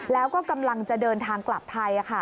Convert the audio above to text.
แล้วก็กำลังจะเดินทางกลับไทย